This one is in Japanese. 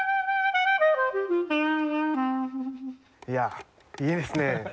いやあいいですね！